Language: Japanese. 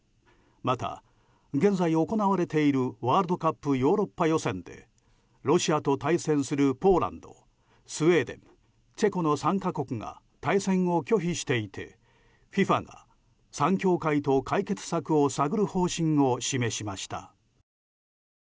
また現在行われているワールドカップヨーロッパ予選でロシアと対戦するポーランドスウェーデン、チェコの３か国が対戦を拒否していてＦＩＦＡが３協会と解決策を探る方針を示しました。